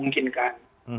itu memang sangat memungkinkan